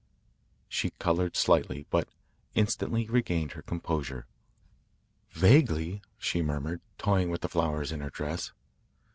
She coloured slightly, but instantly regained her composure. "Vaguely," she murmured, toying with the flowers in her dress.